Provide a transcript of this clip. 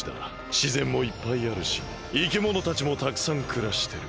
しぜんもいっぱいあるしいきものたちもたくさんくらしてる。